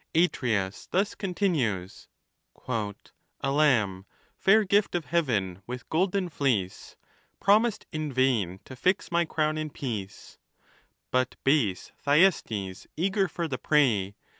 Atreus thus continues : A lamb, fair gift of heaven, with golden fleece, Promised in rain to fix my crown in peace ; But base Thyestes, eager for the prey.